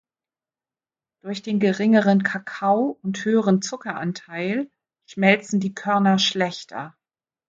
Durch den geringeren Kakao- und höheren Zuckeranteil schmelzen die Körner schlechter.